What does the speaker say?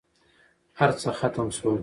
هرڅه ختم شول.